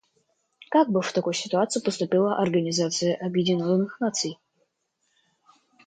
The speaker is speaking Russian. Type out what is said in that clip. Как бы в такой ситуации поступила Организация Объединенных Наций?